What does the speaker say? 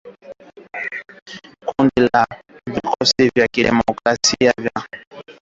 Kundi la Vikosi vya Kidemokrasia vya Ukombozi wa Rwanda liliundwa kutoka kundi lililokuwa likiongozwa na Generali Bosco Ntaganda,